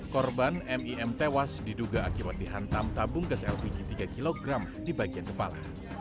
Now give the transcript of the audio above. korban mim tewas diduga akibat dihantam tabung gas lpg tiga kg di bagian kepala